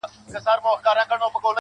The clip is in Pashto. چي ياد پاته وي، ياد د نازولي زمانې.